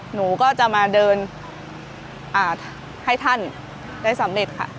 หนูก็จะมาเดินให้ท่านได้สำเร็จค่ะ